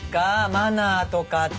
マナーとかって。